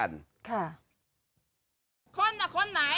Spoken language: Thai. คนคนไหน